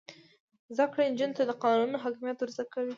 زده کړه نجونو ته د قانون حاکمیت ور زده کوي.